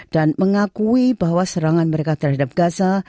dan mengakui bahwa serangan mereka terhadap gaza